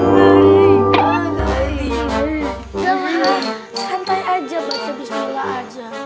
dah lah santai aja baca bismillah aja